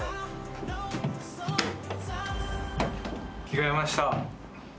着替えました。